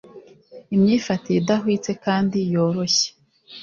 Imyifatire idahwitse kandi yoroshye